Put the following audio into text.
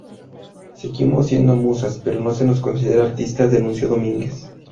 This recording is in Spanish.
Seguimos siendo musas, pero no se nos considera artistas" denunció Domínguez.